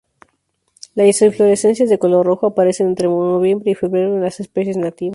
Las inflorescencias de color rojo aparecen entre noviembre y febrero en las especies nativas.